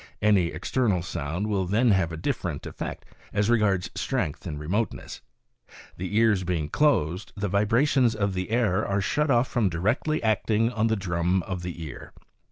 Any external sound will then have a different effect, as regards strength and remoteness. The ears being closed, the vibrations of the air are shut off from directly acting on the drum of the ear.